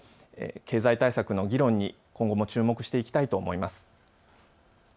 経済対策の議論に今後も注目していきたいと思います。